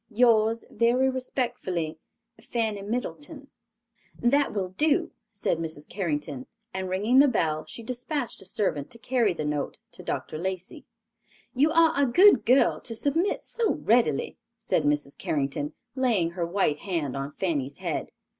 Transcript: "Yours very respectfully, "FANNY MIDDLETON." "That will do," said Mrs. Carrington; and ringing the bell, she dispatched a servant to carry the note to Dr. Lacey. "You are a good girl to submit so readily," said Mrs. Carrington, laying her white hand on Fanny's head.